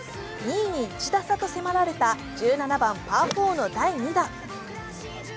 ２位に１打差と迫られた１７番パー４の第２打。